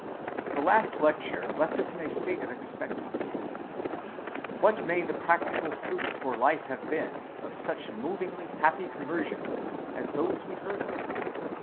The last lecture left us in a state of expectancy. What may the practical fruits for life have been, of such movingly happy conversions as those we heard of?